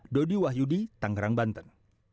dodi wahyudi tangerang banten